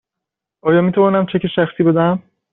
آیا می توانم چک شخصی بدهم؟